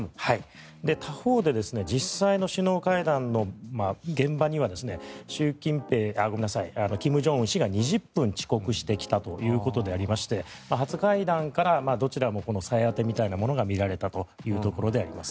他方で実際の首脳会談の現場には金正恩氏が２０分遅刻して来たということでありまして初会談から、どちらも見られたということではあります。